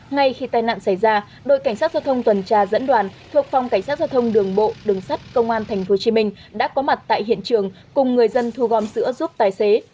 ngay khi tai nạn xảy ra đội cảnh sát giao thông tuần tra dẫn đoàn thuộc phòng cảnh sát giao thông đường bộ đường sắt công an tp hcm đã có mặt tại hiện trường cùng người dân thu gom sữa giúp tài xế